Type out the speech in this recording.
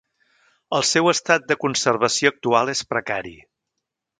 El seu estat de conservació actual és precari.